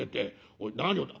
おい何をだ